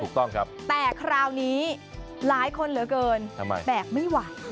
ถูกต้องครับแต่คราวนี้หลายคนเหลือเกินทำไมแบกไม่ไหว